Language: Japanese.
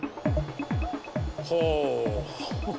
ほう。